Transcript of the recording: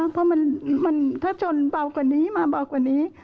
เพราะมันถ้าชนเบากว่านี้มาเบากว่านี้